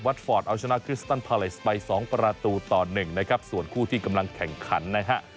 ฟอร์ตเอาชนะคริสตันพาเลสไปสองประตูต่อหนึ่งนะครับส่วนคู่ที่กำลังแข่งขันนะฮะ